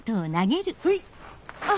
あっ！